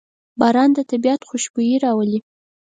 باران د طبیعت خوشبويي راولي.